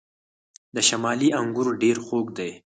د شمالی انګور ډیر خوږ دي.